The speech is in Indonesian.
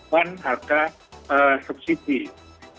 nah dengan baurannya itu itu bisa dihilangkan